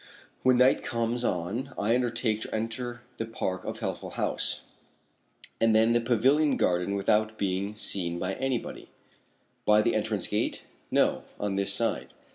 When night comes on I undertake to enter the park of Healthful House, and then the pavilion garden without being seen by anybody." "By the entrance gate?" "No, on this side."